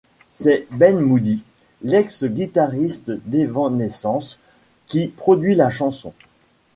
C'est Ben Moody, l'ex-guitariste d'Evanescence qui produit la chanson.